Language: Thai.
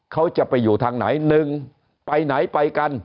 เขาจะไปอยู่ทางไหน๑ไปไหนไปกัน